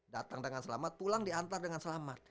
datang dengan selamat pulang diantar dengan selamat